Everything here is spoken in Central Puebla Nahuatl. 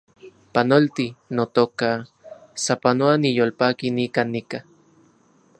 Panolti, notoka , sapanoa niyolpaki nikan nika